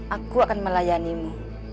aku akan melayanimu